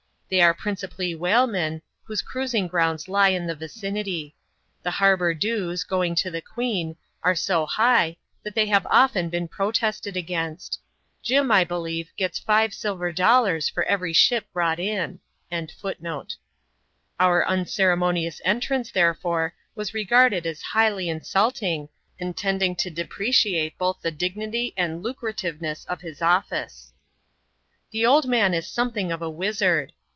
They are principally whalemen, whose cruising prounds lie in the vicinity. The harbour dues — going to the queen — are » high, that they have often been protested against Jim, I believe, gets ive silver dollars for every ship brought in. n 3 102 ADVENTURES IN THE SOUTH SEAS. [chap, xxvl trance, therefore, was regarded as highlj insulting, and tending to depreciate both the dignity and lucrativeness of his office. The old man is something of a wizard.